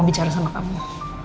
mau bicara sama kamu